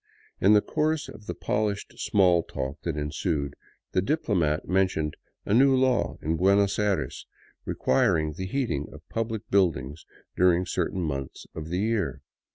In the course of the polished small talk that ensued, the diplomat mentioned a new law in Buenos Aires requiring the heating of public buildings dur ing certain months of the year.